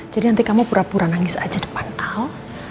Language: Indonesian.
jadi nanti kamu pura pura nangis aja depan al